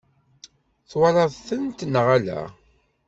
Twalaḍ-tent neɣ ala?